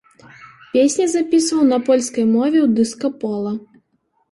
Песні запісваў на польскай мове ў дыска-пола.